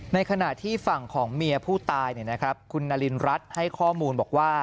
ในขณะที่ฝั่งของเมียผู้ตายคุณนารินรัฐให้ข้อมูลบอกว่า